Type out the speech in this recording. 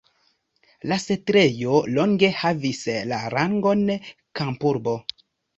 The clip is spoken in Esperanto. La setlejo longe havis la rangon kampurbo.